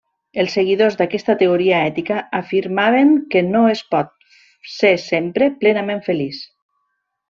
Els seguidors d'aquesta teoria ètica afirmaven que no es pot ser sempre plenament feliç.